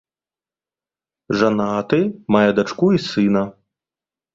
Жанаты, мае дачку і сына.